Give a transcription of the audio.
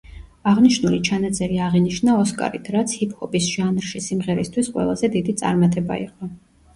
აღნიშნული ჩანაწერი აღინიშნა ოსკარით, რაც ჰიპ-ჰოპის ჟანრში სიმღერისთვის ყველაზე დიდი წარმატება იყო.